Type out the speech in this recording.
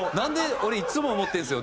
俺いつも思ってるんですよ。